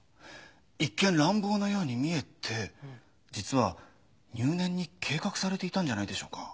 一見乱暴なように見えて実は入念に計画されていたんじゃないでしょうか。